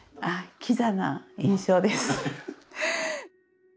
キザな印象です。